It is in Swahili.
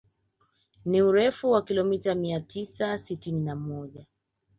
Ni urefu wa kilomita mia tisa sitini na moja